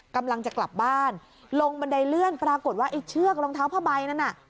กำลังจะกลับบ้านลงบันไดเลื่อนปรากฏว่าไอ้เชือกรองเท้าผ้าใบนั้นน่ะ